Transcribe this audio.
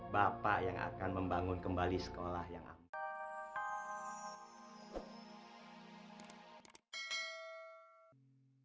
bapak yang akan membangun kembali sekolah yang aman